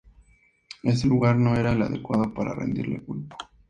Ese lugar no era el adecuado para rendirle culto.